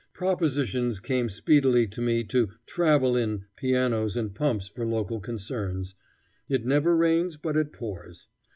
Propositions came speedily to me to "travel in" pianos and pumps for local concerns. It never rains but it pours.